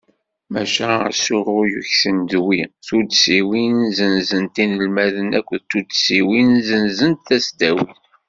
Maca asuɣu yugten d wi: Tuddsiwin senzent inelmaden akked Tuddsiwin senzent tasdawit.